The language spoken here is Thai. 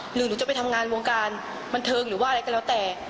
หนูจะไปทำงานวงการบันเทิงหรือว่าอะไรก็แล้วแต่